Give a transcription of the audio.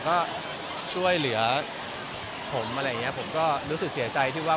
ก็ช่วยเหลือผมอะไรอย่างเงี้ยผมก็รู้สึกเสียใจที่ว่า